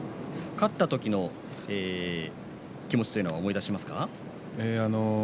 勝った時の気持ちというのを思い出しますか？